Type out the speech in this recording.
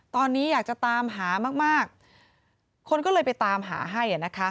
ตอนนี้อยากจะตามหามากคนก็เลยไปตามหาให้